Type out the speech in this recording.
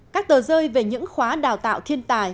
các tờ rơi về những khóa đào tạo thiên tài